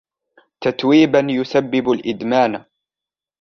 تتويبا يسبب الإدمان.